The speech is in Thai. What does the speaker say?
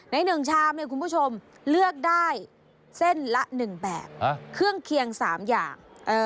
ใน๑ชามเนี่ยคุณผู้ชมเลือกได้เส้นละ๑แบบเครื่องเคียง๓อย่าง